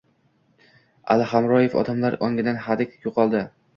Ali Hamroyev: odamlar ongidan hadik yo‘qoldi